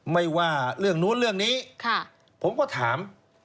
ไม่ว่าเรื่องนู้นเรื่องนี้ผมก็ถาม